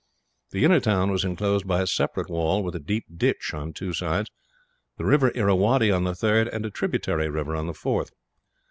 The inner town was inclosed by a separate wall, with a deep ditch on two sides, the river Irrawaddy on the third, and a tributary river on the fourth.